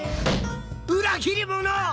裏切り者！